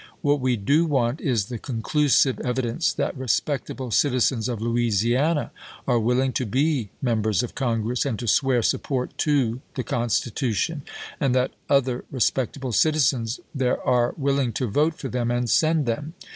What we do want is the conclusive evi dence that respectable citizens of Louisiana are willing to be Members of Congress and to swear support to the Constitution, and that other respectable citizens there are willing to vote for them and send them.